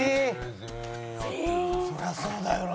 そりゃそうだよな。